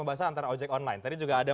pembahasan antara ojek online tadi juga ada